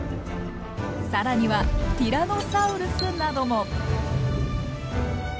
更にはティラノサウルスなども。